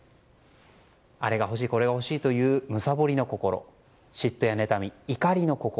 あれが欲しい、これが欲しいという貪りの心嫉妬や妬み、怒りの心。